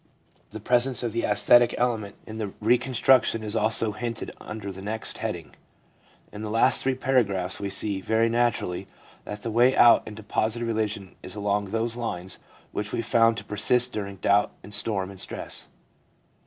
The presence of the aesthetic element in reconstruction is also hinted under the next heading. In the last three paragraphs we see, very naturally, that the way out into positive religion is along those lines which we found to persist during doubt and storm and stress.